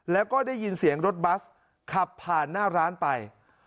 แล้วก็ได้ยินเสียงรถบัสขับผ่านหน้าร้านไป